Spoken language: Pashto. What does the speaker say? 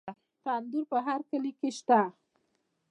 تندور په هر کلي کې شته.